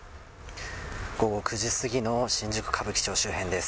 午後９時過ぎの新宿・歌舞伎町周辺です。